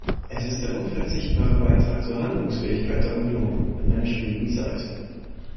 Es ist der unverzichtbare Beitrag zur Handlungsfähigkeit der Union in einer schwierigen Zeit.